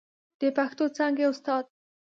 د پښتو څانګې استاد